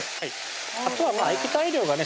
あとは液体量がね